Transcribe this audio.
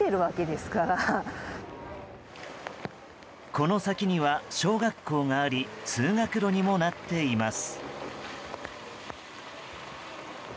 この先には小学校があり通学路にもなっています。